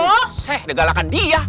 hoseh udah galakan dia